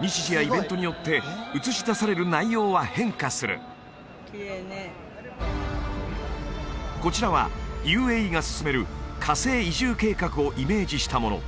日時やイベントによって映し出される内容は変化するこちらはＵＡＥが進める火星移住計画をイメージしたもの